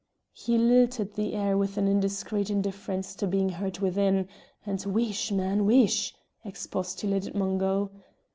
He lilted the air with indiscreet indifference to being heard within; and "Wheesh! man, wheesh!" expostulated Mungo.